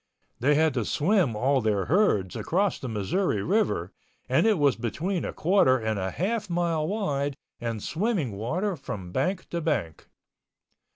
They had to swim all their herds across the Missouri River and it was between a quarter and a half mile wide and swimming water from bank to bank.